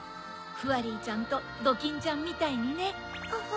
フワリーちゃんとドキンちゃんみたいにね。